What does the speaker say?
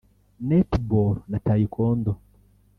Netball na Taekwondo